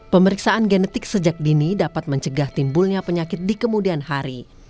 pemeriksaan genetik sejak dini dapat mencegah timbulnya penyakit di kemudian hari